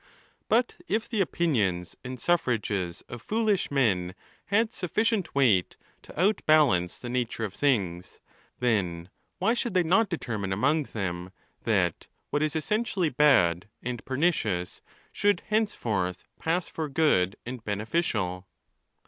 But if the opinions and suffrages of foolish men had sufficient weight to outbalance the nature of things, then why should they not determine among them, that what is essentially bad and pernicious should henceforth pass for good and beneficial?